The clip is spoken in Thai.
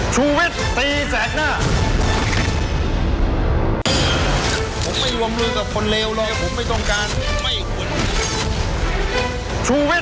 แกไม่รวมรู้กับคนเลวเหรอ